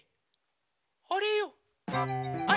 あれ？